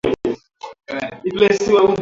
Wingi wa uzalishaji wa vimelea